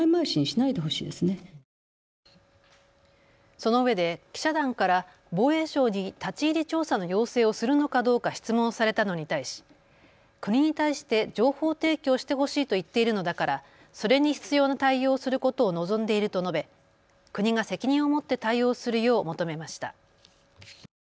そのうえで記者団から防衛省に立ち入り調査の要請をするのかどうか質問されたのに対し国に対して情報提供してほしいと言っているのだからそれに必要な対応することを望んでいると述べ国が責任を持って対応するよう求めました。